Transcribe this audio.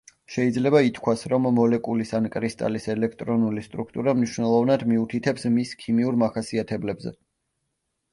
შეიძლება ითქვას, რომ მოლეკულის ან კრისტალის ელექტრონული სტრუქტურა მნიშვნელოვნად მიუთითებს მის ქიმიურ მახასიათებლებზე.